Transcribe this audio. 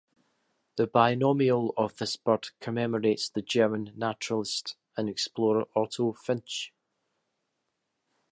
The binomial of this bird commemorates the German naturalist and explorer Otto Finsch.